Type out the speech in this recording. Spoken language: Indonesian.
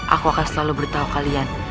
aku akan selalu bertawa kalian